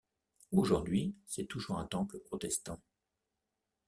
Aujourd'hui, c'est toujours un temple protestant.